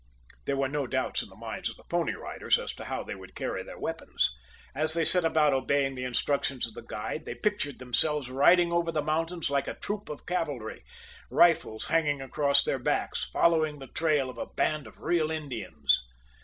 There were no doubts in the minds of the Pony Riders as to how they would carry the weapons. As they set about obeying the instructions of the guide, they pictured themselves riding over the mountains like a troop of cavalry, rifles hanging across their backs, following the trail of a band of real Indians.